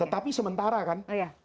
tetapi sementara kan